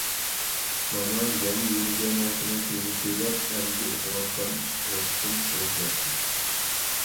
مانا يەنە يېمىگەن مانتىنىڭ پۇلىنى تۆلەپ، ئەمدى ئېقىۋاتقان ئىش-ئوقىتىم سۇغا چىلاشتى.